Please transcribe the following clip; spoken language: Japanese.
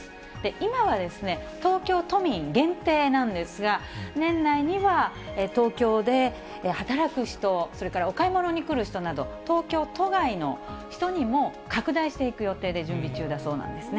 今は東京都民限定なんですが、年内には、東京で働く人、それからお買い物に来る人など、東京都外の人にも拡大していく予定で準備中だそうなんですね。